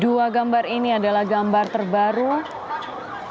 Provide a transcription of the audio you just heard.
chcia ingin mempersembahkan sebuah mus saham di dalam persahabatan python dan ibm